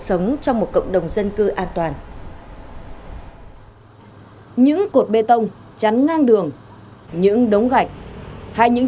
sống trong một cộng đồng dân cư an toàn những cột bê tông chắn ngang đường những đống gạch hay những